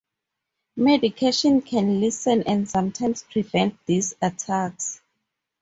Medication can lessen and sometimes prevent these attacks.